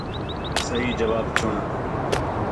صحیح جواب چُݨ